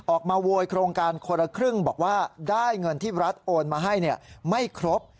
โวยโครงการคนละครึ่งบอกว่าได้เงินที่รัฐโอนมาให้ไม่ครบ